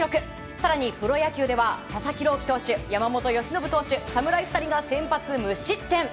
更にプロ野球では佐々木朗希投手、山本由伸投手侍２人が先発無失点。